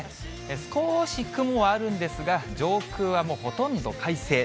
少し雲あるんですが、上空はもうほとんど快晴。